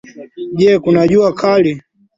Nje kuna jua kali